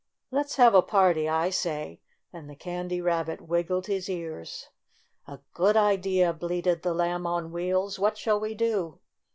Let's have a party, I say," and the Candy Rabbit wiggled his ears. "A good idea!" bleated the Lamb on Wheels. "What shall we do?"